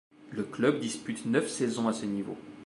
Le club dispute neuf saisons à ce niveau.